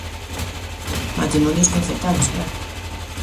Matrimonios concertados, claro.